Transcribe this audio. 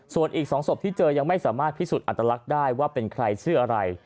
ส่วนอีก๒ศพที่เจอยังไม่สามารถพิสูจน์อัตลักษณ์ได้ว่าเป็นใครชื่ออะไร